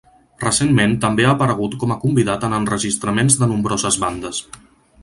Recentment també ha aparegut com a convidat en enregistraments de nombroses bandes.